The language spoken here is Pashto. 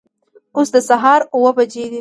اوس د سهار اوه بجې دي